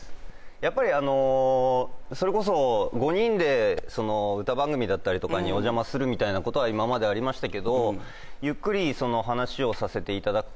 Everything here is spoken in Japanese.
やっぱりあのそれこそ５人で歌番組だったりとかにお邪魔するみたいなことは今までありましたけどそうね